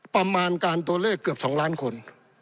ประมาณการตัวเลขเกือบ๒ล้านคน